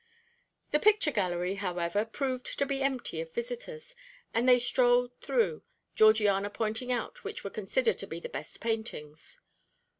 The picture gallery, however, proved to be empty of visitors, and they strolled through, Georgiana pointing out which were considered to be the best paintings.